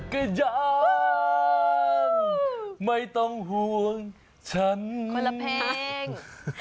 คนละเพลง